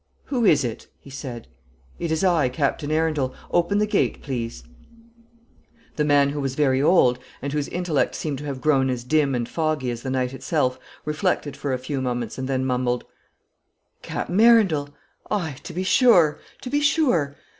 "Who is it?" he said. "It is I, Captain Arundel. Open the gate, please." The man, who was very old, and whose intellect seemed to have grown as dim and foggy as the night itself, reflected for a few moments, and then mumbled, "Cap'en Arundel! Ay, to be sure, to be sure.